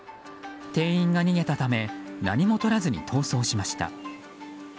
店員が逃げたため何も取らずに逃走しました。